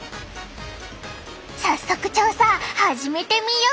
早速調査始めてみよう！